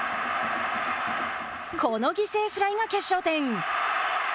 この犠牲フライが決勝点。